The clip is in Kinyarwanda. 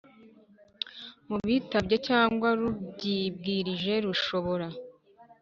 mu bitabye cyangwa rubyibwirije rushobora